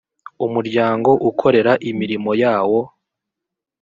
umuryango ukorera imirimo yawo